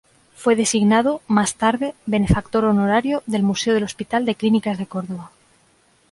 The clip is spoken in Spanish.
Fue designado, más tarde, Benefactor Honorario del Museo del Hospital de Clínicas de Córdoba.